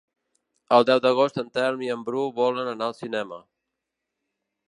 El deu d'agost en Telm i en Bru volen anar al cinema.